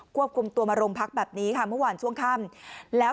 ควบคุมตัวมาโรงพักแบบนี้ค่ะเมื่อวานช่วงค่ำแล้ว